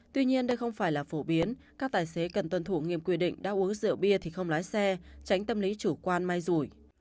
tuy nhiên đây không phải là phổ biến các tài xế cần tuân thủ nghiêm quy định đã uống rượu bia thì không lái xe tránh tâm lý chủ quan mai rủi